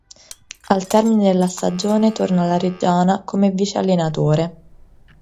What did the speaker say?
Al termine della stagione torna alla Reggiana come vice-allenatore.